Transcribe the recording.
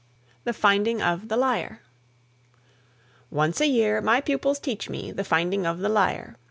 THE FINDING OF THE LYRE. Once a year my pupils teach me "The Finding of the Lyre."